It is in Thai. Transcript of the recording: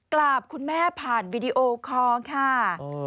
กราบคุณแม่ผ่านวีดีโอคอร์ค่ะ